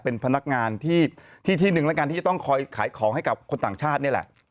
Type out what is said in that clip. เป็นพนักงานที่ที่หนึ่งแล้วกันที่จะต้องคอยขายของให้กับคนต่างชาตินี่แหละ